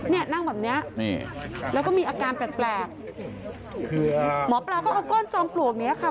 เนี่ยนั่งแบบเนี้ยนี่แล้วก็มีอาการแปลกแปลกหมอปลาก็เอาก้อนจอมปลวกเนี้ยค่ะ